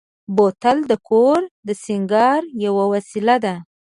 بوتل د کور د سینګار یوه وسیله ده.